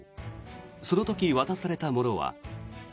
その時、渡されたものは。